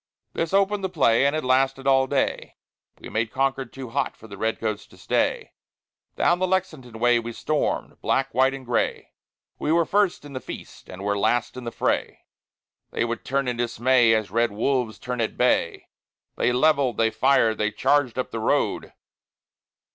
This opened the play, and it lasted all day. We made Concord too hot for the Red Coats to stay; Down the Lexington way we stormed, black, white, and gray; We were first in the feast, and were last in the fray. They would turn in dismay, as red wolves turn at bay. They levelled, they fired, they charged up the road.